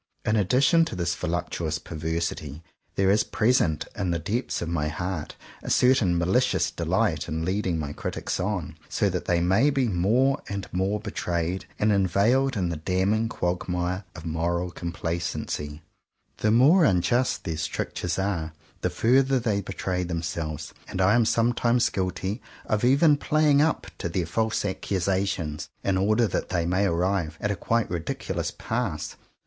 In addition to this voluptu ous perversity there is present in the depths of my heart a certain malicious delight in leading my critics on, so that they may be more and more betrayed and inveigled in the damning quagmire of moral compla cency. The more unjust their strictures are, the further they betray themselves; and I am sometimes guilty of even playing up to their false accusations in order that they may arrive at a quite ridiculous pass.